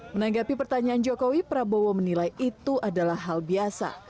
menanggapi pertanyaan jokowi prabowo menilai itu adalah hal biasa